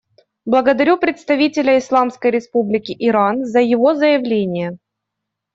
Благодарю представителя Исламской Республики Иран за его заявление.